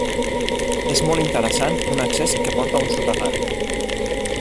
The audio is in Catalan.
És molt interessant un accés que porta a un soterrani.